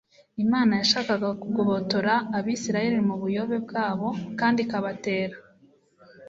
Imana yashakaga kugobotora Abisirayeli mu buyobe bwabo kandi ikabatera